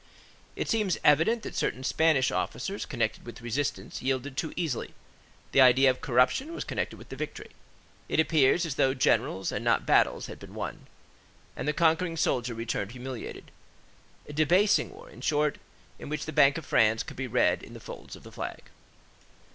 It seemed evident that certain Spanish officers charged with resistance yielded too easily; the idea of corruption was connected with the victory; it appears as though generals and not battles had been won, and the conquering soldier returned humiliated. A debasing war, in short, in which the Bank of France could be read in the folds of the flag.